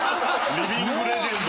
リビングレジェンド。